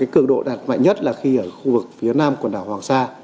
cường độ đạt mạnh nhất là khi ở khu vực phía nam quần đảo hoàng sa